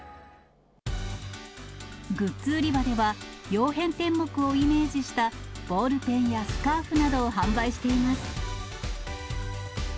グッズ売り場では、曜変天目をイメージしたボールペンやスカーフなどを販売しています。